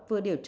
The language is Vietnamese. vừa điều chỉnh